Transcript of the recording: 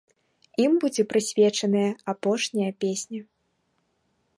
Ім будзе прысвечаная апошняя песня.